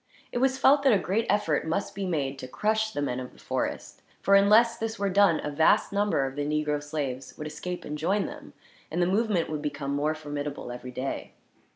It was felt that a great effort must be made, to crush the men of the forest; for unless this were done, a vast number of the negro slaves would escape and join them, and the movement would become more formidable, every day.